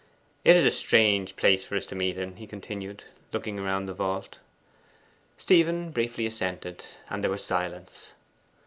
'It is a strange place for us to meet in,' he continued, looking round the vault. Stephen briefly assented, and there was a silence.